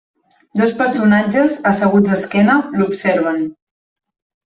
Dos personatges, asseguts d'esquena, l'observen.